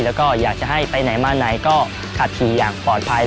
แล้วก็อยากจะให้ไปไหนมาไหนก็ขับขี่อย่างปลอดภัย